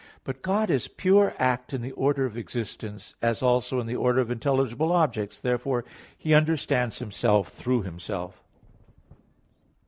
But God is a pure act in the order of existence, as also in the order of intelligible objects; therefore He understands Himself through Himself.